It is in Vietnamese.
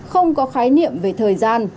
không có khái niệm về thời gian